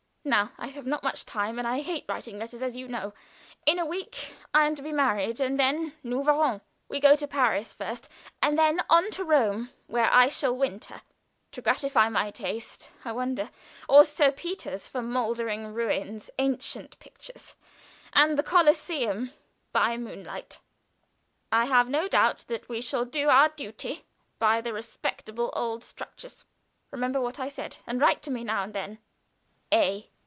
Now, I have not much time, and I hate writing letters, as you know. In a week I am to be married, and then nous verrons. We go to Paris first, and then on to Rome, where we shall winter to gratify my taste, I wonder, or Sir Peter's for moldering ruins, ancient pictures, and the Coliseum by moonlight? I have no doubt that we shall do our duty by the respectable old structures. Remember what I said, and write to me now and then. "A."